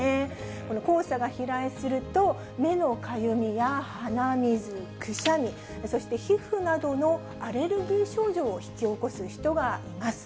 この黄砂が飛来すると、目のかゆみや鼻水、くしゃみ、そして皮膚などのアレルギー症状を引き起こす人がいます。